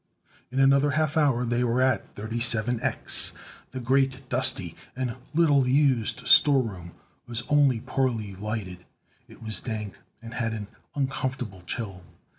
In another half hour they were at 37X. The great, dusty, and little used storeroom was only poorly lighted; it was dank, and had an uncomfortable chill.